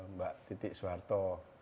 mbak titik soeharto